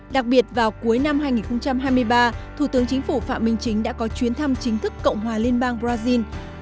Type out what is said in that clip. đặc biệt vào cuối năm hai nghìn hai mươi ba thủ tướng chính phủ phạm minh chính đã có chuyến thăm chính thức cộng hòa liên bang brazil